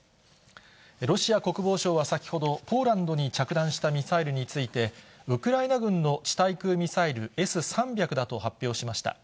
ロシア国防省は先ほど、ポーランドに着弾したミサイルについて、ウクライナ軍の地対空ミサイルＳ３００だと発表しました。